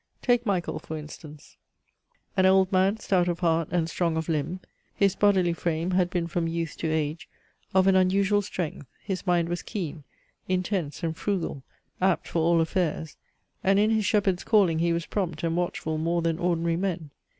Take Michael for instance: An old man stout of heart, and strong of limb. His bodily frame had been from youth to age Of an unusual strength: his mind was keen, Intense, and frugal, apt for all affairs, And in his shepherd's calling he was prompt And watchful more than ordinary men.